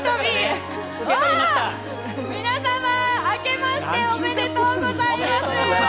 皆様、明けましておめでとうございます。